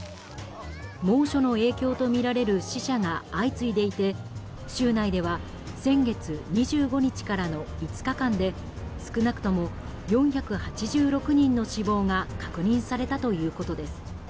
猛暑の影響とみられる死者が相次いでいて州内では先月２５日からの５日間で少なくとも４８６人の死亡が確認されたということです。